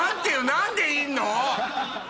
何でいんの？